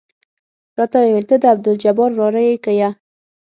راته ويې ويل ته د عبدالجبار وراره يې که يه.